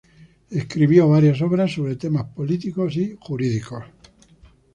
Escribió varias obras sobre temas políticos y jurídicos.